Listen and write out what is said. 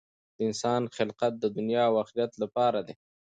د انسان خلقت د دنیا او آخرت لپاره دی.